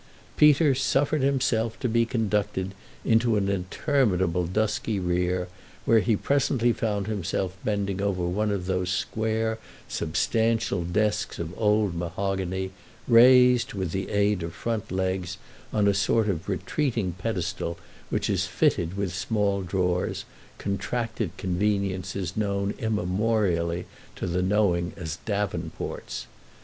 Peter suffered himself to be conducted into an interminable dusky rear, where he presently found himself bending over one of those square substantial desks of old mahogany, raised, with the aid of front legs, on a sort of retreating pedestal which is fitted with small drawers, contracted conveniences known immemorially to the knowing as davenports.